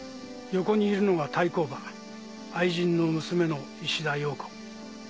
横にいるのが対抗馬愛人の娘の石田洋子。